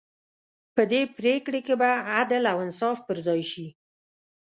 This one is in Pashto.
په دې پرېکړې کې به عدل او انصاف پر ځای شي.